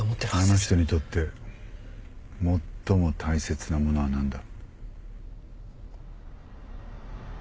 あの人にとって最も大切なものは何だ？